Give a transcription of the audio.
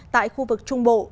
tại khu vực trung bộ